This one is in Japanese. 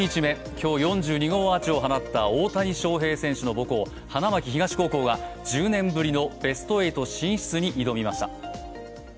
今日４２号アーチを放った大谷翔平選手の母校・花巻東高校が１０年ぶりのベスト８進出に挑みました。